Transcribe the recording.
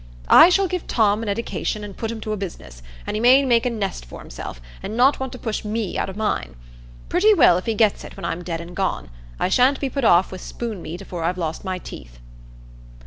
I shall give Tom an eddication an' put him to a business, as he may make a nest for himself, an' not want to push me out o' mine. Pretty well if he gets it when I'm dead an' gone. I sha'n't be put off wi' spoon meat afore I've lost my teeth."